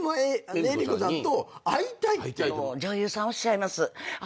女優さんおっしゃいます。